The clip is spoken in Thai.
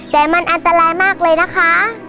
แต่มันอันตรายมากเลยนะคะ